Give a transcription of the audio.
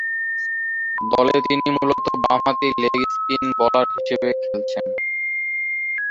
দলে তিনি মূলতঃ বামহাতি লেগ স্পিন বোলার হিসেবে খেলছেন।